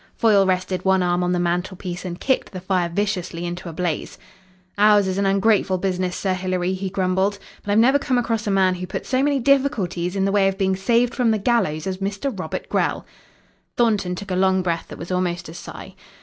Foyle rested one arm on the mantelpiece and kicked the fire viciously into a blaze. "Ours is an ungrateful business, Sir Hilary," he grumbled, "but I've never come across a man who put so many difficulties in the way of being saved from the gallows as Mr. Robert Grell." Thornton took a long breath that was almost a sigh.